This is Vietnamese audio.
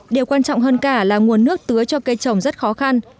điều quan trọng hơn cả là nguồn nước tưới cho cây trồng rất khó khăn